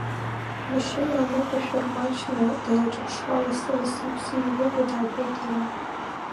Амашьына аныҟәашәа рмаҷны дылҿаԥшуа, лассылассы иԥсы еивыго даатәеит иара.